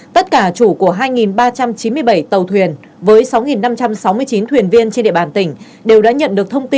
tất cả chủ của hai ba trăm chín mươi bảy tàu thuyền với sáu năm trăm sáu mươi chín thuyền viên trên địa bàn tỉnh đều đã nhận được thông tin